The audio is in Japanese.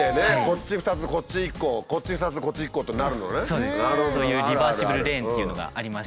こっち２つこっち１個こっち２つでこっち１個ってなるのね。